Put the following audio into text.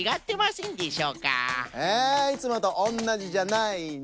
いつもとおんなじじゃないの？